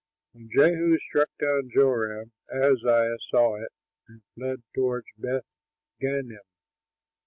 When Jehu struck down Joram, Ahaziah saw it and fled toward Beth gannim.